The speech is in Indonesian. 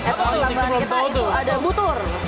add ons tambahan kita itu ada butur